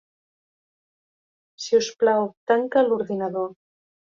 Si us plau, tanca l'ordinador.